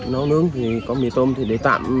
nó nướng thì có mì tôm thì để tạm